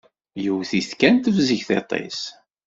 Yewwet-it kan tebzeg tiṭ-is.